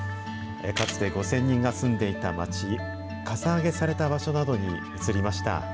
かつて５０００人が住んでいた町、かさ上げされた場所に移りました。